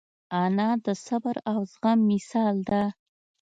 انا د صبر او زغم مثال ده